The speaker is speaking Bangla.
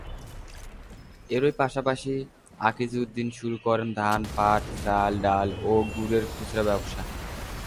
এরই পাশাপাশি আকিজউদ্দীন শুরু করেন ধান, পাট, চাল, ডাল ও গুড়ের খুচরা ব্যবসা।